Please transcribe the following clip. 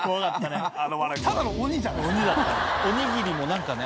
おにぎりも何かね